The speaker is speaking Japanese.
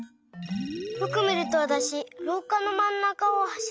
よくみるとわたしろうかのまん中をはしってる。